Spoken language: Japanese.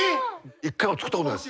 一回も作ったことないです。